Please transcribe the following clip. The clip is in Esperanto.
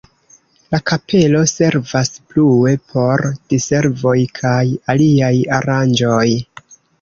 La kapelo servas plue por diservoj kaj aliaj aranĝoj.